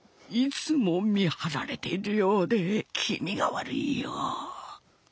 いつも見張られているようで気味が悪いよ。